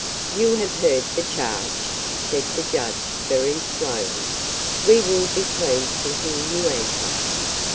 "You have heard the charge," said the judge very slowly. "We will be pleased to hear your answer."